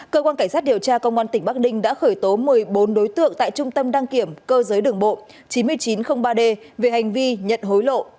cơ quan cảnh sát điều tra công an tỉnh bắc ninh đã khởi tố một mươi bốn đối tượng tại trung tâm đăng kiểm cơ giới đường bộ chín nghìn chín trăm linh ba d về hành vi nhận hối lộ